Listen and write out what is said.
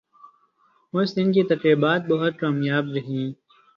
اس دن کی تقریبات بہت کامیاب رہیں